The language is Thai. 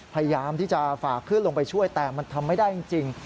พยายามที่จะฝากขึ้นลงไปช่วยแต่มันทำไม่ได้จริง